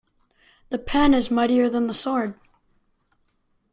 The pen is mightier than the sword.